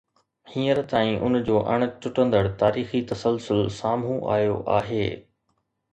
هينئر تائين ان جو اڻ ٽٽندڙ تاريخي تسلسل سامهون آيو آهي.